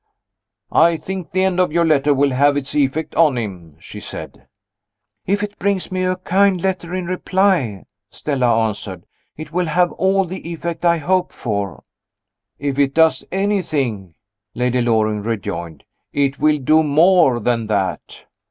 "I think the end of your letter will have its effect on him," she said. "If it brings me a kind letter in reply," Stella answered, "it will have all the effect I hope for." "If it does anything," Lady Loring rejoined, "it will do more than that."